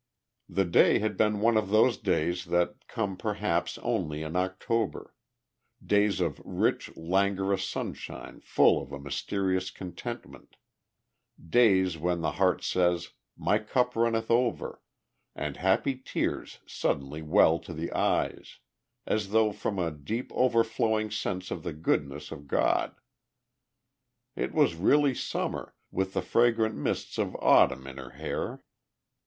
The day had been one of those days that come perhaps only in October days of rich, languorous sunshine full of a mysterious contentment, days when the heart says, "My cup runneth over," and happy tears suddenly well to the eyes, as though from a deep overflowing sense of the goodness of God. It was really Summer, with the fragrant mists of Autumn in her hair.